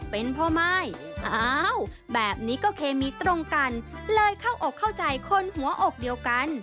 เป็นพ่อม่าย